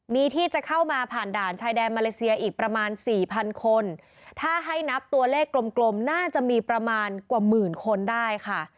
มีที่จะเข้ามาผ่านด่านชายแดนมาเลเซียอีกประมาณสี่พันคนถ้าให้นับตัวเลขกลมกลมน่าจะมีประมาณกว่าหมื่นคนได้ค่ะ